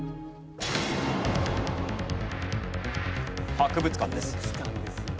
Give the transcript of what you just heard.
博物館です。